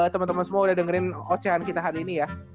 temen temen semua udah dengerin ocehan kita hari ini ya